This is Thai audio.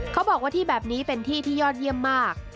เขาบอกว่าที่แบบนี้เป็นที่ที่ยอดเยี่ยมมาก